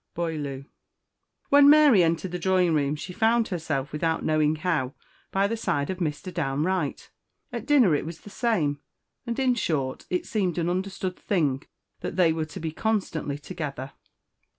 BOILEAU. WHEN Mary entered the drawing room she found herself, without knowing how, by the side of Mr. Downe Wright. At dinner it was the same; and in short it seemed an understood thing that they were to be constantly together.